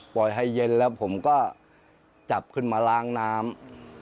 ให้เย็นแล้วผมก็จับขึ้นมาล้างน้ำ